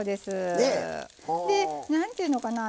で何ていうのかな